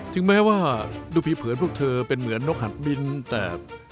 ถึงแม้ว่าดูผีเผินพวกเธอเป็นเหมือนนกหัดมิ้นแต่